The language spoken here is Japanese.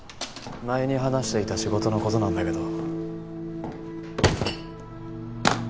前に話していた仕事の事なんだけど。